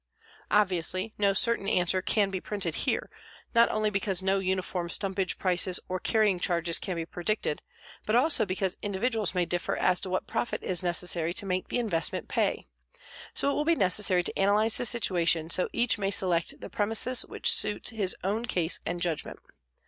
Obviously no certain answer can be printed here, not only because no uniform stumpage prices or carrying charges can be predicted but also because individuals may differ as to what profit is necessary to make the investment "pay," so it will be necessary to analyze the situation so each may select the premises which suit his own case and judgment.